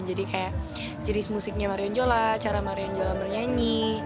jadi kayak jenis musiknya marion jola cara marion jola bernyanyi